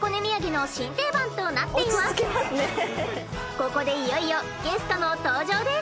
ここでいよいよゲストの登場です。